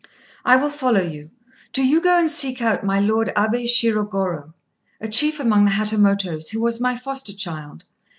"I will follow you; do you go and seek out my Lord Abé Shirogorô, a chief among the Hatamotos, who was my foster child.